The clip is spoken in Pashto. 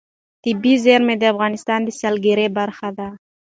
طبیعي زیرمې د افغانستان د سیلګرۍ برخه ده.